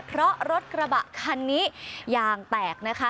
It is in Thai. เพราะรถกระบะคันนี้ยางแตกนะคะ